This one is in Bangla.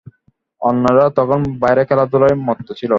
অন্যরা তখন বাইরে খেলাধুলায় মত্ত ছিল।